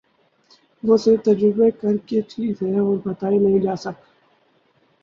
وہ صرف تجربہ کر کی چیز ہے اور بتائی نہیں جاسک